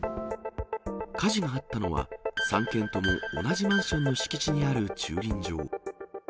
火事があったのは３件とも同じマンションの敷地にある駐輪場。